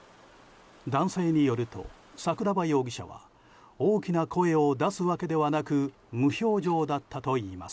男性によると、桜庭容疑者は大きな声を出すわけではなく無表情だったといいます。